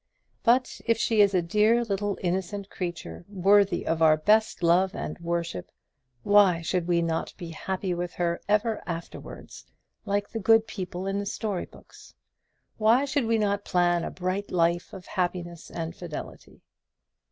But if she is a dear little innocent creature, worthy of our best love and worship, why should we not be happy with her ever afterwards, like the good people in the story books? why should we not plan a bright life of happiness and fidelity?